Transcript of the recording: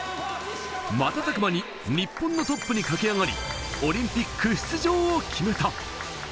瞬く間に日本のトップに駆け上がり、オリンピック出場を決めた。